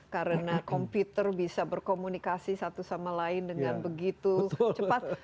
karena komputer bisa berkomunikasi satu sama lain dengan begitu cepat